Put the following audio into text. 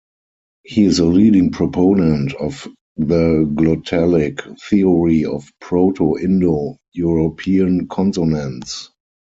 He is a leading proponent of the glottalic theory of Proto-Indo-European consonants.